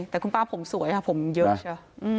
แต่คุณป้าผมสวยผมเยอะใช่ไหม